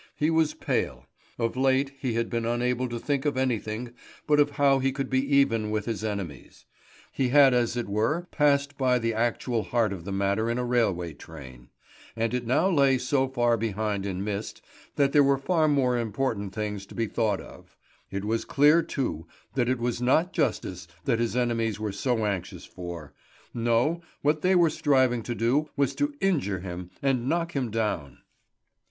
He was pale; of late he had been unable to think of anything but of how he could be even with his enemies. He had as it were passed by the actual heart of the matter in a railway train; and it now lay so far behind in mist, that there were far more important things to be thought of. It was clear, too, that it was not justice that his enemies were so anxious for. No; what they were striving to do was to injure him and knock him down.